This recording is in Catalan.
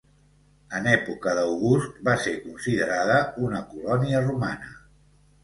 En època d'August va ser considerada una colònia romana.